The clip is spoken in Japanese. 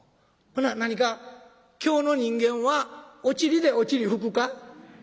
ほな何か京の人間はおちりでおちり拭くか？」。